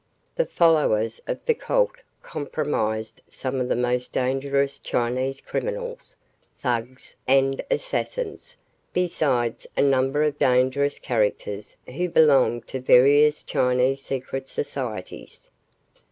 The followers of the cult comprised some of the most dangerous Chinese criminals, thugs, and assassins, besides a number of dangerous characters who belonged to various Chinese secret societies.